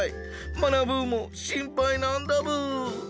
まなブーも心配なんだブー！